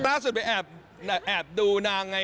ล่าสุดไปแอบดูนางไง